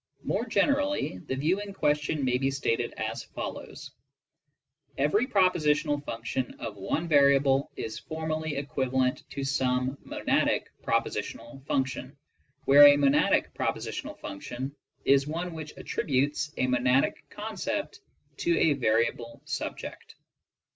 More generally, the view in question may be stated as follows: ''Every propositional function of one variable is formally equivalent to some monadic propositional function," where a monadic propositional function is one which attributes a monadic concept to a variable subject.